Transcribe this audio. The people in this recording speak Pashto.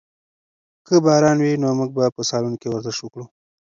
که باران وي نو موږ به په سالون کې ورزش وکړو.